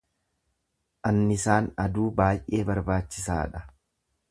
Annisaan aduu baay’ee barbaachisaa dha.